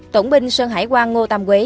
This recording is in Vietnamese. tổng binh sơn hải quang ngô tâm quế